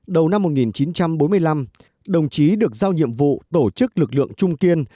đầu năm một nghìn chín trăm bốn mươi năm đồng chí được giao nhiệm vụ tổ chức lực lượng trung kiên